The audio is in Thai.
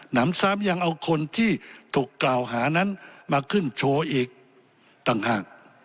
นำซ้ำยังเอาคนที่ถูกกล่าวหานั้นมาขึ้นโชว์อีกต่างหาก